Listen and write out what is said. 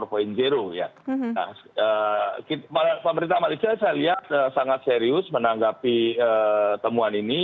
pemerintah malaysia saya lihat sangat serius menanggapi temuan ini